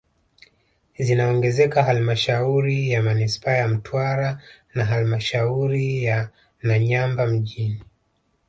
Zinaongezeka halmashauri ya manispaa ya Mtwara na halmashauri ya Nanyamba mjini